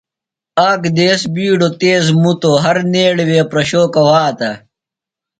آک دیس بیڈو تیز مُتو۔ ہرنیڑی وے پرشوکہ وھاتہ ۔